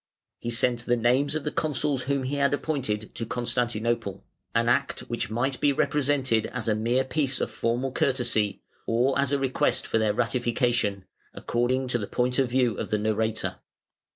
He sent the names of the Consuls whom he had appointed to Constantinople, an act which might be represented as a mere piece of formal courtesy, or as a request for their ratification, according to the point of view of the narrator.